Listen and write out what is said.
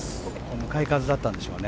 向かい風だったんでしょうね